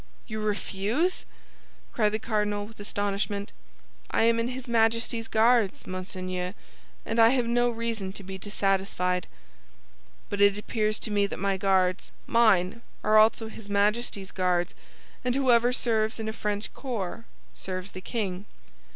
You refuse?" cried the cardinal, with astonishment. "I am in his Majesty's Guards, monseigneur, and I have no reason to be dissatisfied." "But it appears to me that my Guards—mine—are also his Majesty's Guards; and whoever serves in a French corps serves the king."